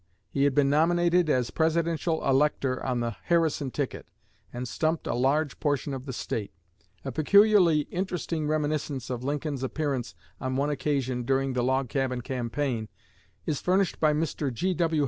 He had been nominated as Presidential Elector on the Harrison ticket, and stumped a large portion of the State. A peculiarly interesting reminiscence of Lincoln's appearance on one occasion during the "Log Cabin" campaign is furnished by Mr. G.W.